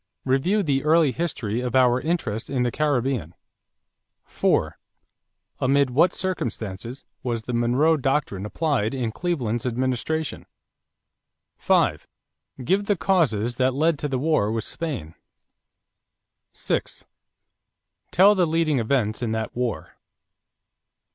Review the early history of our interest in the Caribbean. 4. Amid what circumstances was the Monroe Doctrine applied in Cleveland's administration? 5. Give the causes that led to the war with Spain. 6. Tell the leading events in that war.